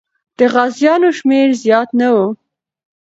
د غازیانو شمېر زیات نه و.